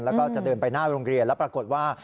แล้วก็จะเดินไปหน้าโรงเรียนแล้วปรากฏว่า